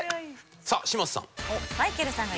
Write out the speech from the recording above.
さあ嶋佐さん。